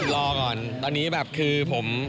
รอก่อนตอนนี้แบบคือผม